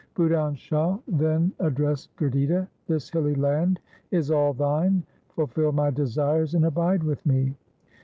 Budhan Shah then addressed Gurditta, ' This hilly land is all thine ; fulfil my desires, and abide with me.'